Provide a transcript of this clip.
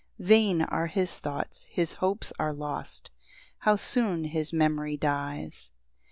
7 Vain are his thoughts, his hopes are lost, How soon his memory dies!